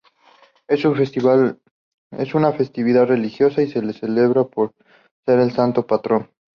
Es una festividad religiosa y se le celebra por ser el santo patrón.